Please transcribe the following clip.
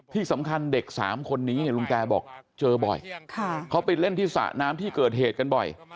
ที่สำคัญเด็ก๓คนนี้ลุงแตบอกเจอบ่อยเขาไปเล่นที่สระน้ำที่เกิดเหตุกันบ่อย